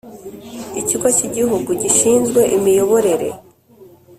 Ikigo cy Igihugu Gishinzwe Imiyoborere